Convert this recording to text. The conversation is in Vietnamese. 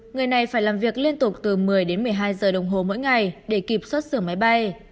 người này phải làm việc liên tục từ một mươi đến một mươi hai giờ đồng hồ mỗi ngày để kịp xuất sửa máy bay